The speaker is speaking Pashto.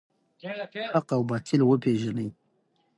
حق او باطل وپیژنئ.